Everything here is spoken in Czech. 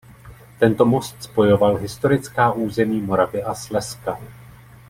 Tento most spojoval historická území Moravy a Slezska.